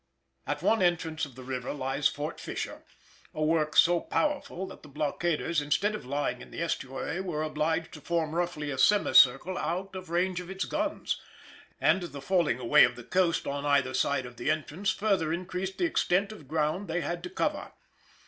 ] At one entrance of the river lies Fort Fisher, a work so powerful that the blockaders instead of lying in the estuary were obliged to form roughly a semicircle out of range of its guns, and the falling away of the coast on either side of the entrance further increased the extent of ground they had to cover.